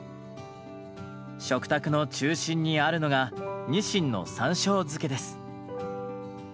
食卓の中心にあるのが「にしんの山しょう漬け」です。